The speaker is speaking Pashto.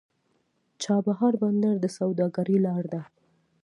چابهار بندر د سوداګرۍ لار ده.